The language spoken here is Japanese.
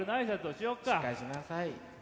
しっかりしなさい。